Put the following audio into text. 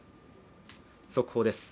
速報です。